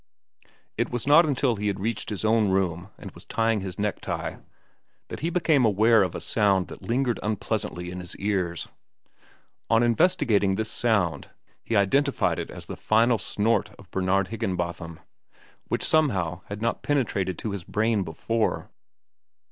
It was not until he had reached his own room and was tying his necktie that he became aware of a sound that lingered unpleasantly in his ears. On investigating this sound he identified it as the final snort of Bernard Higginbotham, which somehow had not penetrated to his brain before.